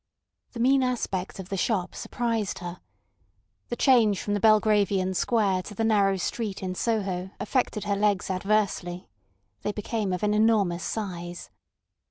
The mean aspect of the shop surprised her. The change from the Belgravian square to the narrow street in Soho affected her legs adversely. They became of an enormous size.